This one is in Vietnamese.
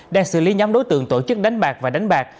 đang xử lý nhóm đối tượng tổ chức đánh bạc và đánh bạc